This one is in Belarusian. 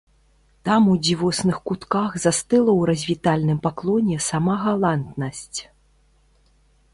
Там у дзівосных кутках застыла ў развітальным паклоне сама галантнасць.